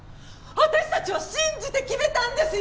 私たちは信じて決めたんですよ！